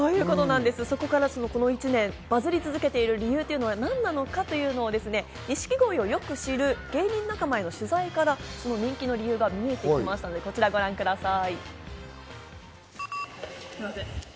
そこからこの１年、バズり続けている理由というのは何なのかというのを錦鯉をよく知る芸人仲間への取材からその人気の理由が見えてきましたのでこちらをご覧ください。